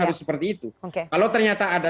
harus seperti itu kalau ternyata ada